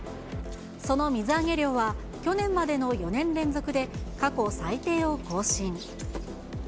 その水揚げ量は去年までの４年連続で過去最低を更新。